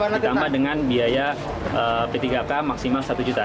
ditambah dengan biaya p tiga k maksimal satu juta